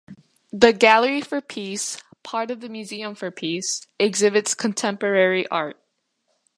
The Gallery for Peace, part of the Museum for Peace, exhibits contemporary art.